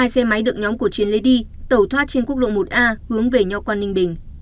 hai xe máy được nhóm của chiến lấy đi tẩu thoát trên quốc lộ một a hướng về nho quan ninh bình